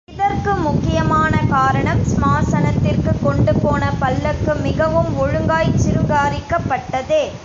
இதற்கு முக்கியமான காரணம், ஸ்மசானத்திற்குக் கொண்டுபோன பல்லக்கு மிகவும் ஒழுங்காய்ச் சிருங்காரிக்கப்பட்டதே.